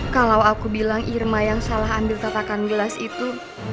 kalau aku bilang irma yang salah ambil tatakan gelas itu